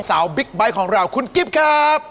สาวบิ๊กไบท์ของเราคุณกิ๊บครับ